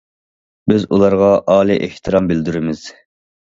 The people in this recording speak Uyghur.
بىز ئۇلارغا ئالىي ئېھتىرام بىلدۈرىمىز!